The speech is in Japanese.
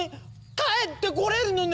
帰ってこれるのね